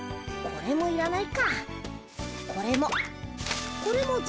これもいらない。